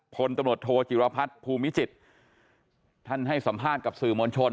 พลตำรวจโทจิรพัฒน์ภูมิจิตรท่านให้สัมภาษณ์กับสื่อมวลชน